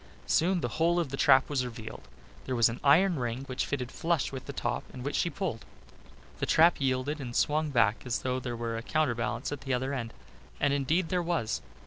Soon the whole of the trap was revealed. There was an iron ring, which fitted flush with the top and which she pulled. The trap yielded and swung back as though there were a counterbalance at the other end, as indeed there was.